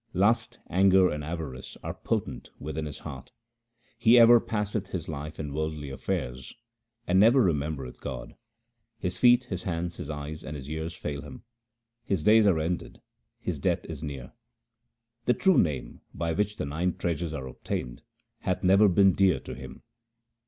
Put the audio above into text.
Lust, anger, and avarice are potent within his heart ; he ever passeth his life in worldly affairs, and never remetn bereth God, His feet, his hands, his eyes, and his ears fail him ; his days are ended ; his death is near. The true Name, by which the nine treasures are obtained, hath never been dear to him.